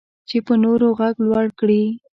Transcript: چې په نورو غږ لوړ کړي.